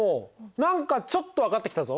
何かちょっと分かってきたぞ！